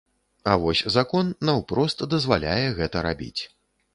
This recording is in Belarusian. А вось закон наўпрост дазваляе гэта рабіць.